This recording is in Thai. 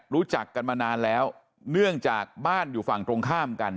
รู้จักกันมานานแล้วเนื่องจากบ้านอยู่ฝั่งตรงข้ามกัน